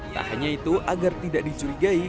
tak hanya itu agar tidak dicurigai